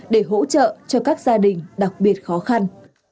để hỗ trợ cho các gia đình đặc biệt khó khăn